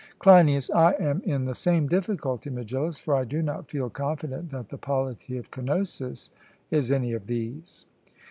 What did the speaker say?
CLEINIAS: I am in the same difficulty, Megillus; for I do not feel confident that the polity of Cnosus is any of these.